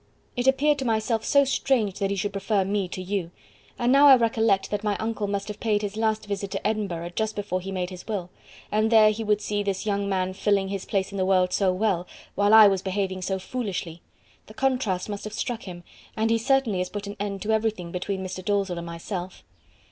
It appeared to myself so strange that he should prefer me to you. And now I recollect that my uncle must have paid his last visit to Edinburgh just before he made his will; and there he would see this young man filling his place in the world so well, while I was behaving so foolishly. The contrast must have struck him, and he certainly has put an end to everything between Mr. Dalzell and myself."